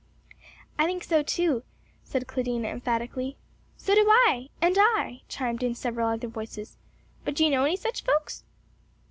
"I think so too!" said Claudina emphatically. "So do I," "and I," chimed in several other voices, "but do you know any such folks?"